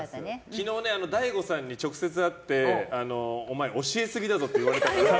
昨日、大悟さんに直接会ってお前教えすぎだぞって言われたから。